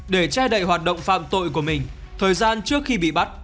để che đậy hoạt động phạm tội của mình thời gian trước khi bị bắt